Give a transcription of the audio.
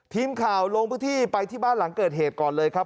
ทีมข่าวลงพื้นที่ไปที่บ้านหลังเกิดเหตุก่อนเลยครับ